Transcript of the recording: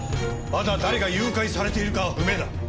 まだ誰が誘拐されているかは不明だ。